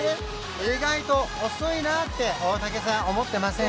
意外と遅いなって大竹さん思ってません？